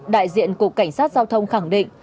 đại diện cục cảnh sát giao thông khẳng định